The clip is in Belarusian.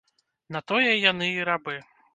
На тое яны і рабы.